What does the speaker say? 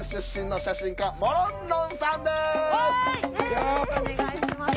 よろしくお願いします。